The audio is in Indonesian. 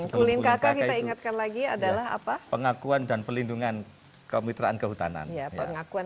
kulin kaka kita ingatkan lagi adalah apa pengakuan dan perlindungan kemitraan kehutanan ya pengakuan